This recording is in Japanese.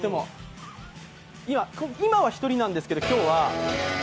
今は１人なんですけど今日は